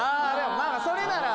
まぁそれなら。